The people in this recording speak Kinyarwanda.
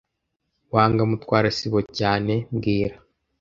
Wanga Mutwara sibo cyane mbwira